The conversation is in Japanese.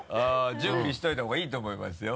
準備しといた方がいいと思いますよ。